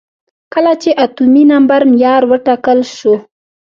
کله چې اتومي نمبر معیار وټاکل شو.